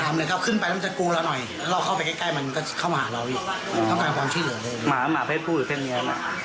ตามเลยครับขึ้นไปตั้งแต่กูละหน่อย